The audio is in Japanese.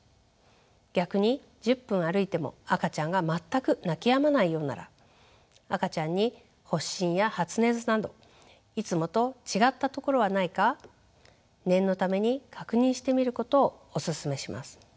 逆に１０分歩いても赤ちゃんが全く泣きやまないようなら赤ちゃんに発疹や発熱などいつもと違ったところはないか念のために確認してみることをおすすめします。